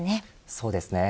そうですね。